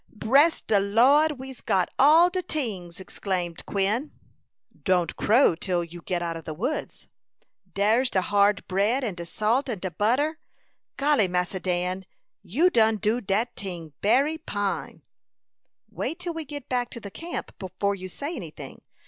"Bress de Lo'd, we's got all de tings," exclaimed Quin. "Don't crow till you get out of the woods." "Dar's de hard bread, and de salt, and de butter golly, Massa Dan, you done do dat ting bery fine." "Wait till we get back to the camp before you say any thing.